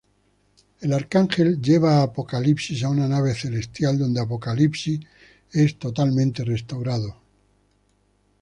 Arcángel lleva a Apocalipsis a una nave Celestial, donde Apocalipsis es totalmente restaurado.